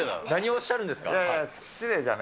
何をおっしゃるんですか。